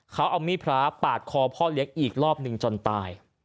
เขาเอามีดพระปาดคอพ่อเลี้ยงอีกรอบหนึ่งจนตาย